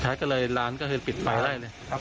สุดท้ายก็เลยร้านก็เลยปิดไฟไล่เลย